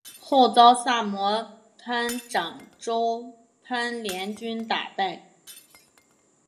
后遭萨摩藩长州藩联军打败。